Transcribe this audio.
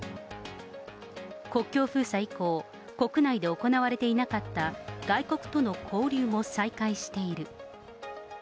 国境封鎖以降、国内で行われていなかった外国との交流も再開している。